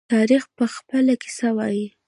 تاریخ به خپله قصه ووايي.